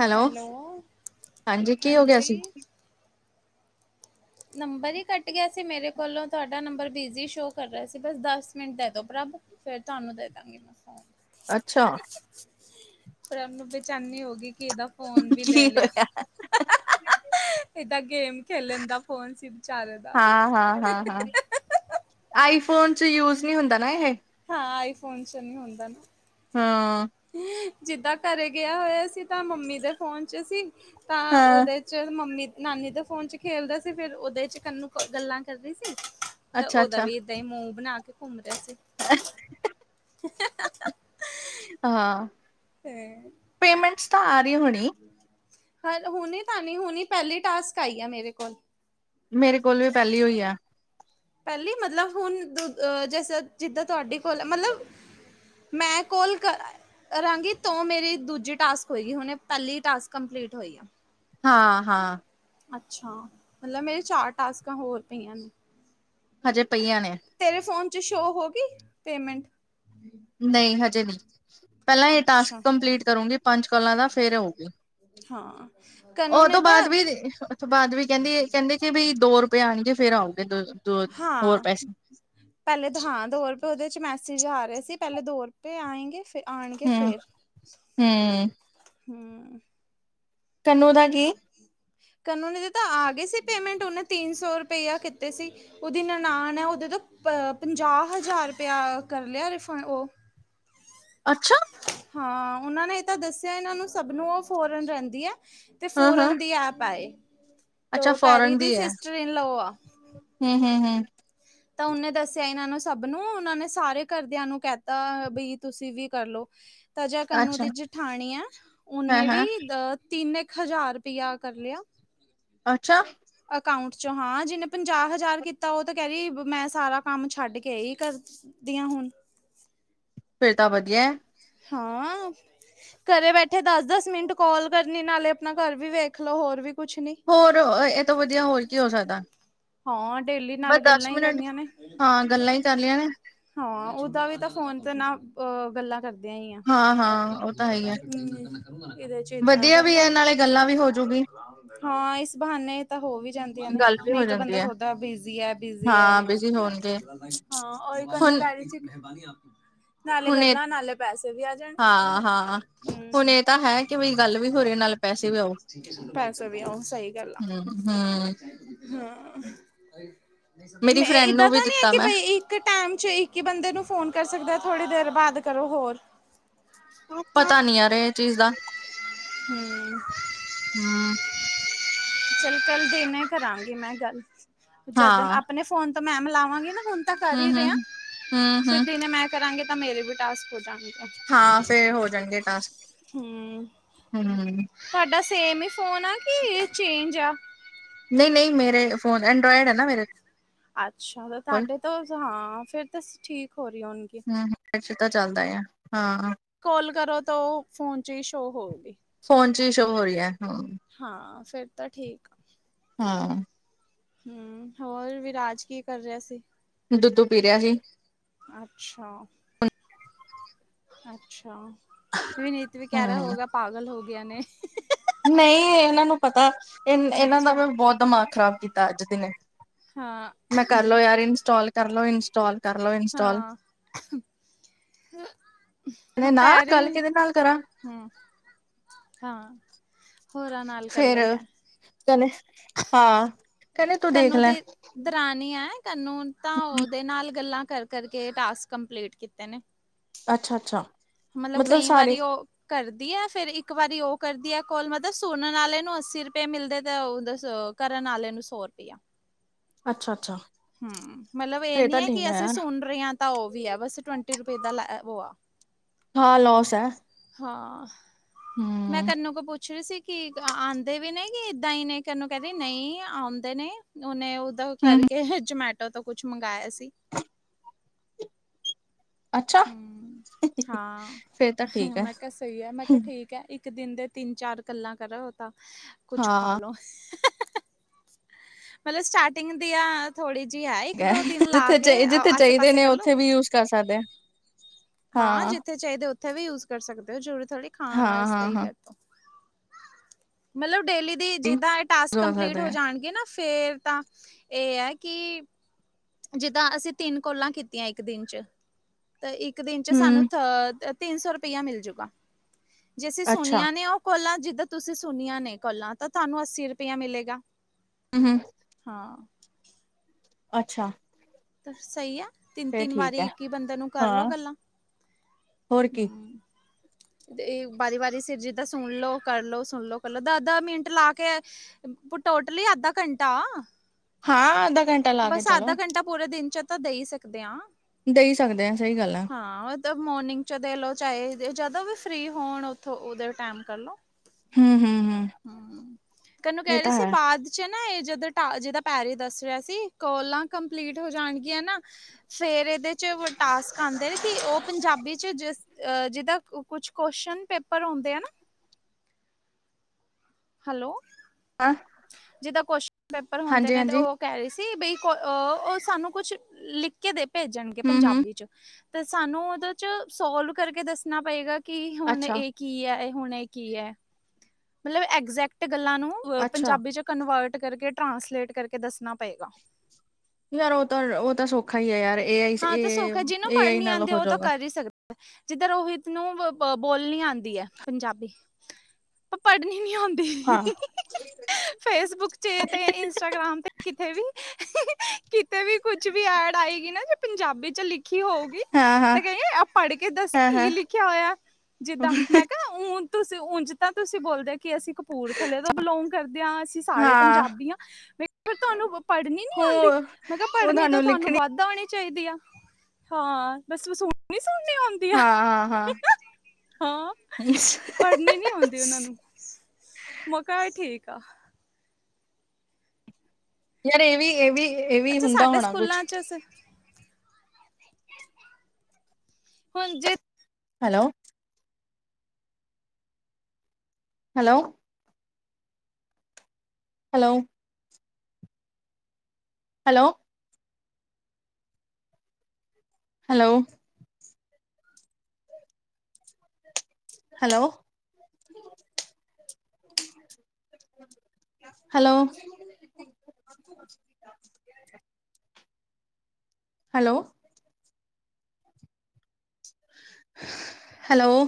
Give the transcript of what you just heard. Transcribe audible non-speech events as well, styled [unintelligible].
Hello, ਹਾਂਜੀ ਕੀ ਹੋ ਗਿਆ ਸੀ? ਹਾਂਜੀ। ਨੰਬਰ ਹੀ ਕੱਟ ਗਿਆ ਸੀ ਮੇਰੇ ਕੋਲੋਂ ਤੁਹਾਡਾ ਨੰਬਰਡ੍ਵ ਬਿਜੀ ਸ਼ੋ ਕਰ ਰਿਹਾ ਸੀ ਬਸ ਦਸ ਮਿੰਟ ਦੇ ਦੋ ਪ੍ਰਬ। ਫੇਰ ਤਹਾਨੂੰ ਦੇ ਦਾਂਗੀ ਮੈ। ਅੱਛਾ! ਪਰ ਉਹ ਨੂੰ ਬੇਚਾਨੀ ਹੋਗੀ। ਕਿ ਇਹਦਾ ਫੋਨ ਵੀ ਕੀ ਲੈ ਲਿਆ, ਹੋਇਆ ਇਹਦਾ ਗੇਮ ਖੇਲਣ ਦਾ ਫੋਨ ਸੀ ਵਿਚਾਰੇ ਦਾ। ਹਾਂ-ਹਾਂ-ਹਾਂ-ਹਾਂ ਆਈਫੋਨ ਚ ਯੂਜ ਨਹੀਂ ਹੁੰਦਾ ਨਾ ਇਹ। ਹਾਂ, ਆਈਫੋਨ ਚ ਨਹੀਂ ਹੁੰਦਾ। ਹਾਂ। ਜਿੱਦਾਂ ਘਰੇ ਗਿਆ ਹੋਇਆ ਸੀ ਤਾਂ ਮੰਮੀ ਦੇ ਫੋਨ ਚ ਸੀ ਤਾਂ ਹਾਂ ਉਹਦੇ ਚ ਮੰਮੀ ਨਾਨੀ ਦੇ ਫੋਨ ਚ ਖੇਲਦਾ ਸੀ ਫਿਰ ਉਹਦੇ ਚ ਕੰਨੂੰ ਗੱਲਾਂ ਕਰਦੀ ਸੀ। ਤਾਂ ਅੱਛਾ ਉਹਦਾ ਅੱਛਾ ਵੀ ਏਦਾਂ ਹੀ ਮੂੰਹ ਬਣਾ ਕੇ ਘੁੰਮ ਰਿਹਾ ਸੀ। ਹਾਂ। ਤੇ ਪੇਮੈਂਟਸ ਤਾਂ ਆ ਰਹੀ ਹੋਣੀ ਹੋਲੋ, ਹੁਣੀ- ਹੁਨੀ ਤਾਂ ਨਹੀਂ ਹੁਨੀ ਪਹਿਲੀ ਟਾਸਕ ਆਈ ਆ ਮੇਰੇ ਕੋਲ। ਮੇਰੇ ਕੋਲ ਵੀ ਪਹਿਲੀਓ ਈ ਐ। ਪਹਿਲੀ ਮਤਲਬ ਹੁਣ ਦ ਅ ਜਿੱਦਾਂ ਤੁਹਾਡੇ ਕੋਲ ਹੈ ਮਤਲਬ ਮੈਂ ਕੋਲ ਕਰ ਕਰਾਂਗੀ ਤੋਂ ਮੇਰੀ ਦੂਜੀ ਟਾਸਕ ਹੋਏਗੀ ਹੁਣੇ ਪਹਿਲੀ ਟਾਸਕ ਕੰਪਲੀਟ ਹੋਈ ਆ। ਹਾਂ-ਹਾਂ। ਅੱਛਾ! ਮੱਤਲਬ ਮੇਰੇ ਚਾਰ ਟਾਸਕਾਂ ਹੋਰ ਪਈਆਂ ਨੇ। ਹਜੇ ਪਈਆਂ ਨੇ। ਤੇਰੇ ਫੋਨ'ਚ ਸ਼ੋ ਹੋ ਗਈ, ਪੇਮੈਂਟ? ਨਈਂ, ਹਜੇ ਨਹੀਂ। ਪਹਿਲਾਂ ਇਹ ਟਾਸਕ ਅੱਛਾ ਕੰਪਲੀਟ ਕਰੂੰਗੀ ਪੰਜ ਕਾਲਾਂ ਦਾ, ਫੇਰ ਹੋਊਗੀ। ਹਾਂ, ਕ ਉਹਦੋ ਬਾਅਦ ਵੀ, ਦੀ ਉਹ ਤੋਂ ਬਾਅਦ ਵੀ ਕਹਿੰਦੀ, ਕਹਿੰਦੇ ਕਿ ਬਈ, ਦੋ ਰੁਪਏ ਆਣਗੇ, ਫੇਰ ਆਊਗੇ ਦੋ ਦੋ ਹੋਰ ਹਾਂ ਪੈਸ ਪਹਿਲੇ ਤੇ ਹਾਂ, ਦੋ-ਰੁਪਏ ਉਹਦੇ'ਚ ਮੈਸੇਜ ਆ ਰਹੇ ਸੀ, ਪਹਿਲੇ ਦੋ ਰੁਪਏ ਆਏਂਗੇ ਫੇ ਹੂੰ, ਹੂੰ ਹੂੰ ਕੰਨੂ ਦਾ ਕੀ? ਕੰਨੂਨ ਤਾਂ ਆ ਗਏ ਸੀ ਪੇਮੈਂਟ, ਉਹਨੇ ਤੀਨ-ਸੋ ਰੁਪਇਆ ਕੀਤੇ ਸੀ। ਉਹਦੀ ਨਨਾਣ ਐ, ਉਹਦੇ ਤੋਂ ਪ-ਪੰਜਾਹ ਹਜ਼ਾਰ ਰੁਪਇਆ ਕਰ ਲਿਆ ਰਿਫੰਅ ਉਹ ਅੱਛ ਹਾਂ, ਉਹਨਾਂ ਨੇ ਹੀ ਤਾਂ ਦੱਸਿਆ, ਇਹਨਾਂ ਨੂੰ ਸਭ ਨੂੰ ਉਹ ਫੋਰਨ ਰਹਿੰਦੀ ਐ ਤੇ ਹਾਂ ਹਾਂ ਫੋਰਨ ਦੀ ਐਪ ਆ ਏ, ਅੱਛਾ ਤੋ ਪੈਰੀ ਦੀ, ਸਿਸਟਰ ਇਨ ਲੌ ਆ। ਹੂੰ, ਹੂੰ, ਹੂੰ ਤਾਂ ਉਹਨੇ ਦੱਸਿਆ ਇਹਨਾਂ ਨੂੰ, ਸਭ ਨੂੰ ਉਹਨਾਂ ਨੇ ਸਾਰੇ ਘਰਦਿਆਂ ਨੂੰ ਕਿਹਤਾ ਬਈ ਤੁਸੀਂ ਵੀ ਕਰਲੋ, ਤਾ ਜਾ ਕੰਨੂੰ ਅੱਛਾ ਦੀ ਜਠਾਣੀ ਆ, ਉਹਨੇ ਹਾਂ-ਹਾਂ, ਵੀ ਦ ਤਿੰਨ ਇੱਕ ਹਜ਼ਾਰ ਰਪਈਆ ਕਰਲਿਆ। ਅੱਛਾ! ਅਕਾੰਊਂਟ'ਚੋਂ ਹਾਂ, ਜਿਹਨੇ ਪੰਜਾਹ-ਹਜ਼ਾਰ ਕੀਤਾ, ਓ ਤਾ ਕਹਿਰੀ, ''ਮੈਂ ਸਾਰਾ ਕੰਮ ਛੱਡਕੇ ਆਈ ਘਰ ਦੀਆਂ ਹੁਣ ਫੇਰ ਤਾ ਵਧੀਆ। ਹਾਂ! ਕਰੇ ਬੈਠੇ ਦਸ-ਦਸ ਮਿੰਟ ਕੌਲ ਕਰਨੀ, ਨਾਲੇ ਆਪਣਾ ਘਰ ਵੀ ਵੇਖਲੋ, ਹੋਰ ਵੀ ਕੁਛ ਨੀ। ਹੋਰ, ਏ ਤੋ ਵਧੀਆ, ਹੋਰ ਕੀ ਹੋ ਸਕਦਾ। ਹਾਂ, ਡੇਲੀ ਬਸ ਨਾਲੇ ਦਸ ਗੱਲਾਂ ਈ ਮਿੰਟ ਕਰਨੀਆਂ ਨੇ। ਹਾਂ ਗੱਲਾਂ ਹੀ ਕਰ ਲਈਆਂ ਨੇ। ਹਾਂ, ਓਹਦਾਂ ਵੀ ਤਾ ਫੋਨ ਤੇ ਨਾ, ਅ ਗੱਲਾਂ ਕਰਦੇ ਆ, ਇਹਦੇ ਹਾਂ-ਹਾਂ ਉਹ ਤਾਂ ਹੈ ਹੀ ਐ, ਚੇਤਾ ਵਧੀਆ ਕਰ, ਵੀ [unintelligible] ਐ ਨਾਲੇ ਗੱਲਾਂ ਵੀ ਹੋਜੂਗੀ। ਹਾਂ, ਇਸ ਬਹਾਨੇ ਤਾਂ ਹੋ ਵੀ ਜਾਂਦੀਆਂ ਨੇ। ਗੱਲ ਵੀ ਨਹੀ ਹੋ ਤਾਂ ਜਾਂਦੀ ਬੰਦਾ ਐ, ਸੋਚਦਾ ਬਿਜੀ ਐ, ਬਿਜੀ ਐ ਹਾਂ ਬਿਜੀ ਹੋਣਗੇ ਹਾਂ, ਓਈ ਕੰਨੁ ਹੁਣ ਕਹਿ ਰਹੀ ਸੀ। ਨਾਲੇ ਹੁਣ ਇਹ ਗੱਲਾਂ, ਨਾਲੇ ਪੈਸੇ ਵੀ ਆ ਜਾਣਗੇ। ਹਾਂ-ਹਾਂ ਹੁਣ ਇਹ ਤਾਂ ਹੈ ਕਿ ਬਈ ਗੱਲ ਵੀ ਹੋ ਰਹੀ ਨਾਲ ਪੈਸੇ ਵੀ ਆਊ, ਹੂੰ, ਪੈਸੇ ਵੀ ਆਓਣ ਸਹੀ ਗੱਲ ਆ। ਹੂੰ-ਹੂੰ। ਹਾਂ, ਮੇਰੀ ਮੇਂ, ਫਰੈਂਡ ਨੂੰ ਇਹਦਾਂ ਵੀ ਤਾਂ ਨਈ ਆ ਦਿੱਤਾ ਕਿ, ਮੈਂ, ਬਈ ਇੱਕ ਟਾਈਮ'ਚ, ਇੱਕ ਹੀ ਬੰਦੇ ਨੂੰ ਫੋਨ ਕਰ ਸਕਦੈ। ਥੋੜ੍ਹੀ ਦੇਰ ਬਾਅਦ ਕਰੋ ਹੋਰ। ਪਤਾ ਨੀ ਯਾਰ, ਇਹ ਇਹ ਚੀਜ਼ ਦਾ। ਹੂੰ। ਹੂੰ ਚੱਲ, ਕਲ ਦਿਨੇ ਕਰਾਂਗੀ ਮੈਂ ਗੱਲ, ਜਦ ਹਾਂ, ਆਪਣੇ ਫੋਨ ਤਾਂ ਮੈਮ ਲਾਵਾਂਗੀ ਨਾ ਹੁਨ ਤਾਂ ਕਰ ਹੀ ਹੂੰ-ਹੂੰ। ਰਹੇ ਆਂ, ਫਿਰ ਹੂੰ-ਹੂੰ, ਦਿਨੇ ਮੈਂ ਕਰਾਂਗੀ, ਤਾਂ ਮੇਰੇ ਵੀ ਟਾਸਕ ਹੋ ਜਾਣਗੇ। ਹਾਂ, ਫਿਰ ਹੋ ਜਾਣਗੇ ਟਾਸਕ। ਹੂੰ, ਹੂੰ। ਸਾਡਾ ਸੇਮ ਹੀ ਫੋਨ ਆ, ਕਿ ਚੇਂਜ ਆ? ਨਹੀਂ-ਨਹੀਂ, ਮੇਰੇ ਫੋਨ ਐਂਡਰੋਇਡ ਐ, ਨਾ ਮੇਰੇ ਅੱਛਾ, ਤਾਂ ਕੋਲ ਤਹਾਡੇ ਤੋਂ, ਹਾਂ। ਫਿਰ ਤਾਂ ਠੀਕ ਹੋ ਰਈ ਹੋਣਗੀ। ਇੱਥੇ ਤਾਂ ਚੱਲਦਾ ਯਾ, ਹਾਂ। ਕੋਲ ਕਰੋ ਤੋ ਉਹ ਫੋਨ'ਚ ਹੀ, ਸ਼ੋਅ ਹੋਊਗੀ। ਫੋਨ'ਚ ਈ ਸ਼ੋ ਹੋ ਰਹੀ ਹੈ, ਹਾਂ। ਹਾਂ ਫੇਰ ਤਾਂ ਠੀਕ। ਹਾਂ ਹੂੰ ਹੋਰ ਵਿਰਾਜ ਕੀ ਕਰ ਰਿਹਾ ਸੀ? ਦੁੱਧੁੂ ਪੀ ਰਿਹਾ ਸੀ। ਅੱਛਾ। ਅੱਛਾ, ਵੀਨੀਤ ਵੀ ਕਹਿ ਰਾ ਹਮ ਹੋਗਾ ਪਾਗਲ ਹੋ ਗੀਆ ਨੇ। ਨਈ ਇਹਨਾਂ ਨੂੰ ਪਤਾ, ਇਹ ਇਹਨਾਂ ਦਾ ਅੱਛਾ ਵੀ ਬਹੁਤ ਦਮਾਗ ਖ਼ਰਾਬ ਕੀਤਾ ਅੱਜ ਦਿਨੇ। ਹਾਂ ਮੈਂ ਕਰਲੋ ਯਾਰ ਇੰਸਟੋਲ ਕਰਲੋ ਇੰਸਟੋਲ। ਹਾਂ, ਕਹਿੰਦੇ ਨਾ ਪੈਰੇ ਗੱਲ ਕਿਹਦੇ ਨਾਲ ਕਰਾਂ ਹੂੰ ਹਾਂ। ਹੋਰਾਂ ਨਾਲ ਕਰ ਲੋ ਫੇਰ, ਕਿਆ ਕਨੇ, ਹਾਂ। ਕਹਿੰਦੇ ਤੂੰ ਦੇਖ ਕੰਨੂੰ ਲੈ ਦੀ, ਦਰਾਨੀ ਐ ਕੰਨੂੰ ਤਾਂ ਉਹਦੇ ਨਾਲ ਗੱਲਾਂ ਕਰ ਕਰਕੇ ਟਾਸਕ ਕੰਪਲੀਟ ਕੀਤੇ ਨੇ। ਅੱਛਾ-ਅੱਛਾ। ਮਤਲਬ ਕਈ ਵਾਰੀ ਉਹ ਕਰਦੀ ਏ ਫੇਰ ਇੱਕ ਵਾਰੀ ਉਹ ਕਰਦੀ ਏ ਕੋਲ ਮਤਲਬ ਸੁਣਨ ਆਲੇ ਨੂੰ ਅੱਸੀ ਰੁਪਏ ਮਿਲਦੇ ਤਾਂ ਉਹ ਦੱਸੋ। ਕਰਨ ਆਲੇ ਨੂੰ ਸੌ ਰੁਪਇਆ। ਅੱਛਾ-ਅੱਛਾ। ਹੂੰ ਮਤਲਬ ਏ ਨੀ ਹੈ ਕਿ ਅਸੀਂ ਸੁਣ ਰਹੇ ਆ ਤਾਂ ਉਹ ਵੀ ਆ ਬਸ ਟਵੰਟੀ ਰੁਪਏ ਦਾ ਲੈ ਉਹ ਆ। ਹਾਂ ਲੋਸ ਏ। ਹਾਂ। ਹੂੰ ਮੈਂ ਕਨੂੰ ਕੋਲ ਪੁੱਛ ਰਹੀ ਸੀ ਕਿ ਆਂਦੇ ਵੀ ਨੇ ਕਿ ਇੱਦਾਂ ਹੀ ਨੇ ਕਨੂੰ ਕਹਿਦੀ ਨਹੀਂ ਆਉਂਦੇ ਨੇ। ਉਹਨੇ ਉਹਦਾ ਹਮ ਕਰਕੇ ਜਮੈਟੋ ਤੋਂ ਕੁਝ ਮੰਗਇਆ ਸੀ। ਅੱਛਾ ਹੂੰ ਫੇਰ ਤਾਂ ਠੀਕ ਹਾਂ ਹੈ ਮੈਂ ਕਿਹਾ ਸਹੀ ਹੈ ਮੈਂ ਕਿਹਾ ਠੀਕ। ਠੀਕ ਹੈ ਇੱਕ ਦਿਨ ਦੇ ਤਿੰਨ ਚਾਰ ਗੱਲਾਂ ਕਰੋ ਤਾਂ ਕੁਝ ਖਾ ਹਾਂ ਲਓ। ਮਤਲਬ ਸਟਾਰਟਿੰਗ ਦੀਆਂ ਥੋੜੀ ਜਿਹੀ ਹੈ ਇੱਕ ਦੋ ਦਿਨ ਲਾ ਜਿੱਥੇ ਚ ਕੇ ਜਿੱਥੇ ਆਸੇ ਚਾਹੀਦੇ ਪਾਸੇ ਨੇ ਕਲੋ। ਉੱਥੇ ਯੂਜ ਕਰ ਸਕਦੇ ਆ। ਹਾਂ ਜਿੱਥੇ ਚਾਹੀਦੇ ਉੱਥੇ ਵੀ ਯੂਜ ਕਰ ਸਕਦੇ ਹੋ ਜ਼ਰੂਰੀ ਥੋੜ੍ਹੀ ਖਾਣ ਹਾਂ ਵਾਸਤੇ ਹਾਂ ਹੀ ਹਾਂ ਕਰ‌ਨੇ। ਮਤਲਬ ਡੇਲੀ ਦੀ ਜਿੱਦਾਂ ਇਹ ਟਾਸਕ ਕਰ ਕੰਪਲੀਟ ਸਕਦੇ ਹੋ ਆ ਜਾਣਗੇ ਨਾ ਫੇਰ ਤਾਂ ਇਹ ਐ ਕਿ ਜਿੱਦਾਂ ਅਸੀਂ ਤਿੰਨ ਕੋਲਾਂ ਕੀਤੀਆਂ ਇੱਕ ਦਿਨ ਚ, ਤਾਂ ਇੱਕ ਦਿਨ ਚ ਸਾਨੂੰ ਹਮ ਅ ਤਿੰਨ ਸੌ ਰੁਪਇਆ ਮਿਲ ਜੂਗਾ। ਜੇ ਅਸੀਂ ਅੱਛਾ ਸੁਨੀਆ ਨੇ ਉਹ ਕੋਲਾਂ ਜਿੱਦਾਂ ਤੁਸੀਂ ਸੁਣੀਆਂ ਨੇ ਕੋਲਾਂ ਤਾਂ ਤੁਹਾਨੂੰ ਅੱਸੀ ਰੁਪਇਆ ਮਿਲੇਗਾ। ਹੂੰ-ਹੂੰ ਹਾਂ ਅੱਛਾ। ਸਹੀ ਏ। ਫੇਰ ਤਿੰਨ-ਤਿੰਨ ਠੀਕ ਵਾਰੀ ਹੈ ਇੱਕ ਈ ਬੰਦੇ ਨੂੰ ਕਰਲੋ ਹਾਂ ਗੱਲਾਂ। ਹੋਰ ਕੀ ਤੇ ਏ ਵਾਰੀ-ਵਾਰੀ ਫਿਰ ਜਿੱਦਾਂ ਸੁਣ ਲਓ ਕਰ ਲੋ ਸੁਣ ਲਓ ਪਹਿਲਾਂ ਦਸ-ਦਸ ਮਿੰਟ ਲਾ ਕੇ ਟੋਟਲੀ ਅੱਧਾ ਘੰਟਾ। ਹਾਂ ਅੱਧਾ ਘੰਟ ਬਸ ਅੱਧਾ ਘੰਟਾ ਪੂਰੇ ਦਿਨ ਚ ਤਾਂ ਦੇ ਈ ਸਕਦੇ ਆ। ਦੇ ਈ ਸਕਦੇ ਆ ਸਈ ਗੱਲ ਆ। ਜਿੱਦਾ ਮੋਰਨਿੰਗ ਚ ਦੇ ਲੋ ਚਾਹੇ ਜਦੋਂ ਵੀ ਫਰੀ ਹੋਣ ਉਥੋਂ ਉਹਦੋਂ ਟੈਮ ਕਰਲੋ। ਹਮ ਹਮ ਹਮ ਹੂੰ ਕਨੂੰ ਇਹ ਕਹਿ ਰਹੀ ਤਾਂ ਸੀ ਹੈ ਬਾਚ ਚ ਨਾ ਏ ਜਦ ਟ ਜਿਹਦਾ ਪੈਰੇ ਦੱਸ ਰਿਹਾ ਸੀ ਕੋਲਾਂ ਕੰਪਲੀਟ ਹੋ ਜਾਣਗੀਆਂ ਨਾ ਫਿਰ ਇਹਦੇ ਚ ਟਾਸਕ ਆਂਦੇ ਨੇ ਕਿ ਉਹ ਪੰਜਾਬੀ ਚ ਜਿਸ ਅ ਜਿੱਦਾਂ ਕੁਝ ਕੁਅਸ਼ਨ ਪੇਪਰ ਆਉਂਦੇ ਨਾ ਹੈਲੋ। ਹਾਂ। ਜਿੱਦਾਂ ਕੋਸ਼ਨ ਪੇਪਰ ਹੁੰਦੇ ਹਾਂਜੀ ਨੇ ਤੇ ਹਾਂਜੀ ਉਹ ਕਹਿ ਰਹੀ ਸੀ ਬਈ ਉਹ ਸਾਨੂੰ ਕੁਝ ਲਿਖ ਕੇ ਭੇਜਨਗੇ ਹਮ ਹਮ ਪੰਜਾਬੀ ਚ। ਤੇ ਸਾਨੂੰ ਉਹਦੇ ਚ ਸੋਲਵ ਕਰਕੇ ਦੱਸਨਾ ਪਏਗਾ ਕਿ ਹੁਨ ਅੱਛਾ ਇਹ ਕੀ ਏ ਇਹ ਹੁਣ ਇਹ ਕੀ ਏ ਮਤਲਬ ਐਗਜੈਕਟ ਗੱਲਾਂ ਨੂੰ ਅੱਛਾ ਪੰਜਾਬੀ ਚ ਕਨਵਰਟ ਕਰਕੇ ਟ੍ਰਾਂਸਲੇਟ ਕਰਕੇ ਦੱਸਣਾ ਪਏਗਾ। ਯਾਰ ਉਹ ਤਾਂ ਉਹ ਤਾਂ ਸੌਖਾ ਹੀ ਏ ਯਾਰ ਇਹ ਆਈ ਹਾਂ ਤੇ ਇਹ ਏ ਆਈ ਨਾਲ ਹੋਜੋਗਾ। ਜਿੱਦਾਂ ਰੋਹਿਤ ਨੂੰ ਬੋਲਨੀ ਆਂਦੀ ਹੈ ਪੰਜਾਬੀ। ਪੜ੍ਹਣੀ ਨੀ ਆਉਂਦੀ ਹਾਂ ਫੇਸਬੁੱਕ ਚ ਤੇ ਇੰਸਟਾਗ੍ਰਾਮ ਤੇ ਕਿਤੇ ਵੀ ਕਿਤੇ ਵੀ ਕੁਝ ਵੀ ਐਡ ਆਏਗੀ ਨਾ ਪੰਜਾਬੀ ਚ ਲਿਖ ਲਿਖੀ ਹੋਊਗੀ ਹਾਂ ਹਾਂ ਤੇ ਕਹਿੰਗੇ ਆ ਪੜ੍ਹ ਕੇ ਦੱਸੀ ਹਾਂ ਕੀ ਹਾਂ ਲਿਖਿਆ ਹੋਇਆ ਜਿੱਦਾਂ ਮੈਂ ਉਝੱ ਤੁਸੀਂ ਉਂਝ ਤਾਂ ਤੁਸੀਂ ਬੋਲਦੇ ਕਿ ਅਸੀਂ ਕਪੂਰਥੱਲੇ ਤੋਂ ਬਿਲੋਂਗ ਕਰਦੇ ਹਾਂ ਅਸੀਂ ਸਾਰੇ ਹਾਂ ਪੰਜਾਬੀ ਆ। ਵੇਖੋ ਤੁਹਾਨੂੰ ਪੜ੍ਹਨੀ ਨੀ ਹੋ ਆਉਂਦੀ ਮੈਂ ਕਿਹਾ ਉਹ ਪੜ੍ਹਨੀ ਤਾ ਲਿਖਣੀ ਤੁਹਾਨੂੰ ਬ ਦਾਂ ਹੋਣੀ ਚਾਹੀਦੀ ਆ ਹਾਂ ਬਸ ਵਸੂ ਨਹੀ ਸੁਣਨੀ ਆਉਂਦੀ ਆ ਹਾਂ, ਹਾਂ, ਹਾਂ। ਹਾਂ ਪੜ੍ਹਨੀ ਨੀ ਆਉਦੀ। ਇਹਨਾਂ ਨੂੰ ਮੌਕਾ ਇਹ ਠੀਕ ਆ। ਯਾਰ ਇਹ ਵੀ ਇਹ ਵੀ ਇਹ ਵੀ ਹੁੰਦਾ ਹੋਣਾ ਕੁਛ। ਚੱਸ [unintelligible] ਹੁਨ ਜੇ hello. Hello. Hello. Hello. Hello. Hello. Hello. Hello. Hello.